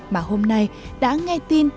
mà hôm nay đã nghe tin